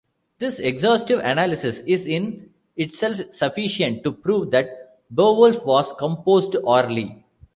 This exhaustive analysis is in itself sufficient to prove that Beowulf was composed orally.